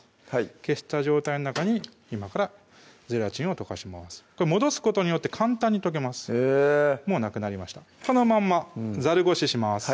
消した状態の中に今からゼラチンを溶かします戻すことによって簡単に溶けますへぇもうなくなりましたこのまんまざるごしします